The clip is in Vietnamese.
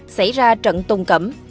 xảy ra trận tùng cẩm